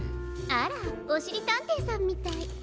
あらおしりたんていさんみたい。